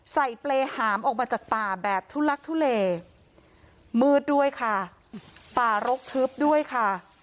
เปรย์หามออกมาจากป่าแบบทุลักทุเลมืดด้วยค่ะป่ารกทึบด้วยค่ะ